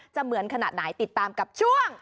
เหมือนขนาดไหนติดตามกับช่วง